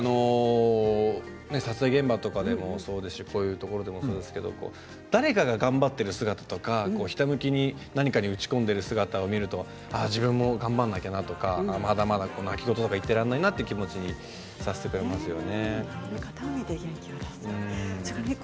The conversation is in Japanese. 撮影現場とかでもそうですけど、こういうところもそうですけれど誰かが頑張っている姿とかひたむきに何か打ち込んでいる姿を見ると自分も頑張らなくちゃとかまだまだ、泣き言を言ってられないという気持ちになりますよね。